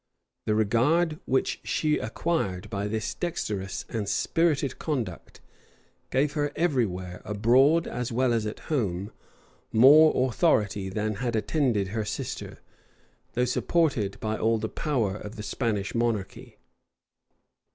The regard which she acquired by this dexterous and spirited conduct, gave her every where, abroad as well as at home, more authority than had attended her sister, though supported by all the power of the Spanish monarchy.